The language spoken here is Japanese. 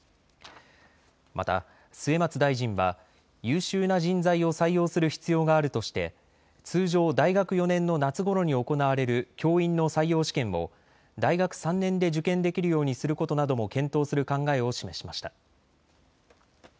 また末松大臣は優秀な人材を採用する必要があるとして通常、大学４年の夏ごろに行われる教員の採用試験を大学３年で受験できるようにすることなども検討する考えを示しました。